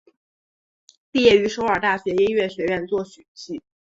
毕业于首尔大学音乐学院作曲系。